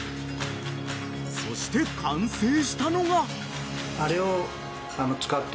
［そして完成したのが］